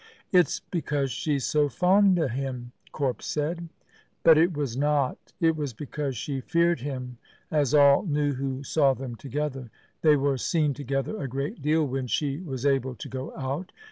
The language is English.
"It's because she's so fond o' him," Corp said. But it was not. It was because she feared him, as all knew who saw them together. They were seen together a great deal when she was able to go out.